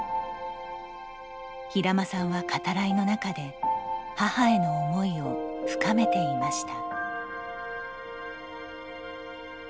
平間さんは、語らいの中で母への思いを深めていました。